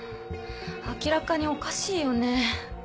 明らかにおかしいよね。